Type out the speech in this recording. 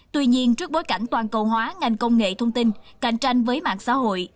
tuy nhiên trước bối cảnh toàn cầu hóa ngành công nghệ thông tin cạnh tranh với mạng xã hội